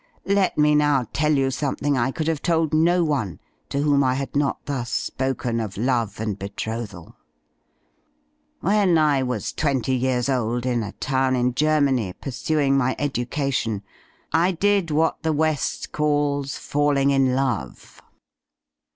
Let me now tell you something I cotdd have told no one to whom I had not thus spoken of love and betrothal. When I was twenty years old in a town in THE ENIGMAS OF LADY JOAN 307 Germany, pursuing my education, I did what the West calls falling in love.